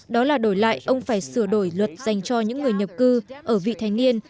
đó là đổi lại ông phải sửa đổi luật dành cho những người nhập cư ở vị thành niên